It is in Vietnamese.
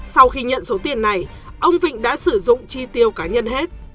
sau khi nhận số tiền này ông vịnh đã sử dụng chi tiêu cá nhân hết